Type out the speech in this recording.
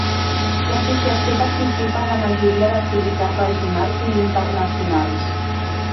L"Associació participa en la majoria d"activitats regionals i internacionals.